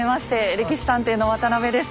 「歴史探偵」の渡邊です。